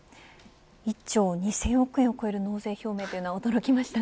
１兆２０００億円を超える納税表明とは驚きました。